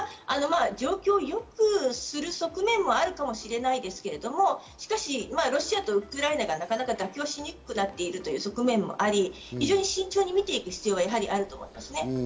状況を良くする側面もあるかもしれないですけれども、しかしロシアとウクライナがなかなか妥協しにくくなっているという側面もあり、非常に慎重にみていく必要があると思いますね。